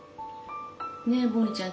ねえボニーちゃん